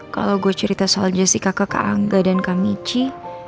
kalau gue cerita soal jessica ke kak angga dan kak michi